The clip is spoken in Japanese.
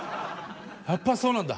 やっぱそうなんだ。